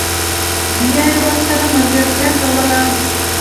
بیا یې ورسره ملګرتیا کوله